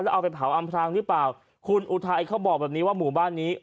เอาไปเผาอำพรางหรือเปล่าคุณอุทัยเขาบอกแบบนี้ว่าหมู่บ้านนี้